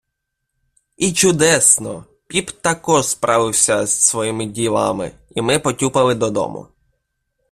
I чудесно! Піп також справився з своїми ділами, i ми потюпали додому.